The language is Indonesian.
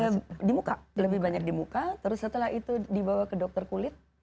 dia di muka lebih banyak di muka terus setelah itu dibawa ke dokter kulit